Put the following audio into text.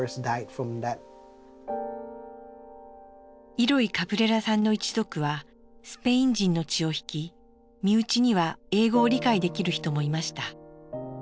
イロイ・カブレラさんの一族はスペイン人の血を引き身内には英語を理解できる人もいました。